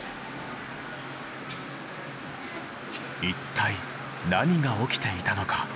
一体何が起きていたのか。